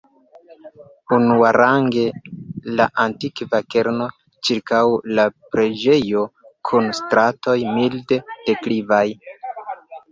Unuarange, la antikva kerno, ĉirkaŭ la preĝejo, kun stratoj milde deklivaj.